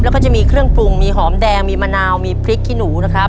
แล้วก็จะมีเครื่องปรุงมีหอมแดงมีมะนาวมีพริกขี้หนูนะครับ